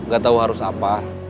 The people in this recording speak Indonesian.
gak tau harus apa